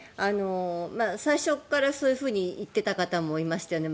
最初からそういうふうに言ってた方もいましたよね。